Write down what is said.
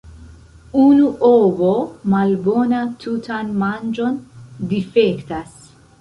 Unu ovo malbona tutan manĝon difektas.